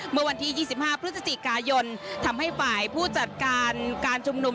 เมื่อวันที่๒๕พฤศจิกายนทำให้ฝ่ายผู้จัดการการชุมนุม